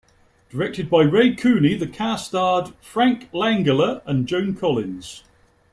Directed by Ray Cooney, the cast starred Frank Langella and Joan Collins.